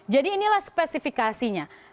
jadi inilah spesifikasinya